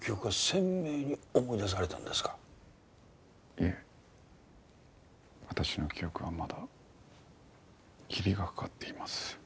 いえ私の記憶はまだ霧がかかっています。